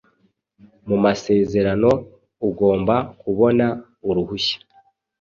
mumasezerano ugomba kubona uruhushya